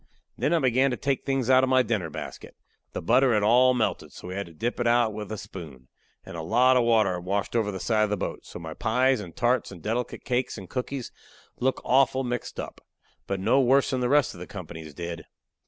Then I began to take the things out of my dinner basket. The butter had all melted, so we had to dip it out with a spoon. And a lot of water had washed over the side of the boat, so my pies and tarts and delicate cakes and cookies looked awful mixed up. But no worse than the rest of the company's did.